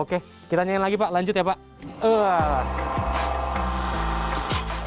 oke kita nyain lagi pak lanjut ya pak